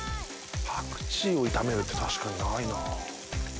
パクチーを炒めるって確かにないな。